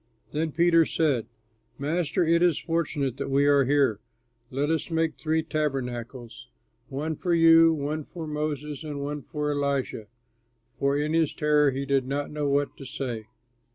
Then Peter said, "Master, it is fortunate that we are here. Let us make three tabernacles, one for you, one for Moses, and one for Elijah." (For in his terror he did not know what to say.)